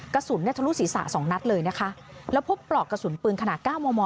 กระสุนทะลุศีสะสองนัดเลยนะคะแล้วพบปลอกกระสุนปืนขนาดก้าวมอมอ